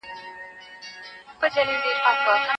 د شپې لخوا عبادت کول زړه ژوندی کوي.